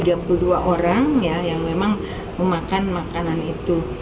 ada tiga puluh dua orang yang memang memakan makanan itu